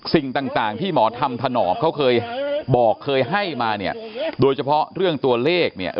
สิ่งต่างที่หมอธรรมถนอมเขาเคยบอกเคยให้มาเนี่ยโดยเฉพาะเรื่องตัวเลขเนี่ย